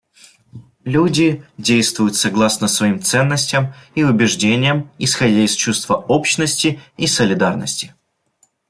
Люди действуют согласно своим ценностям и убеждениям, исходя из чувства общности и солидарности.